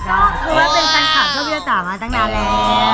คือว่าเป็นสังขัดช่วยพี่จ๊ะจ๋ามาตั้งนานแล้ว